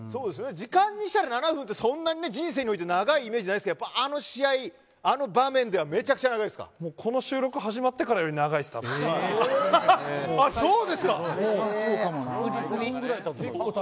時間にしたら７分ってそんなに人生において長いイメージがないですけどあの試合あの場面ではこの収録が始まってからよりそうですか。